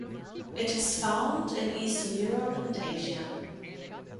It is found in eastern Europe and Asia.